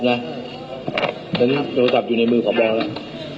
เพราะฉะนั้นโทรศัพท์อยู่ในมือของเราแล้ว